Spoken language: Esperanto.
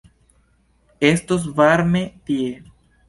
Estos varme tie.